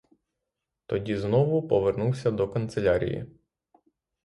Тоді знову повернувся до канцелярії.